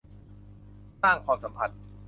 สร้างความสัมพันธ์